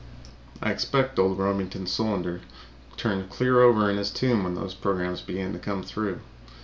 I expect old Remington Solander turned clear over in his tomb when those programs began to come through.